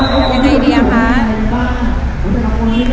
อย่างไรดีอะคะ